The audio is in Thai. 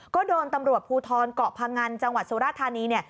ก็โดนตำรวจภูทรเกาะพงันจังหวัดสุราธานีเนี่ย